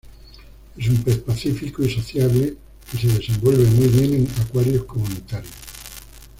Es un pez pacífico y sociable que se desenvuelve muy bien en acuarios comunitarios.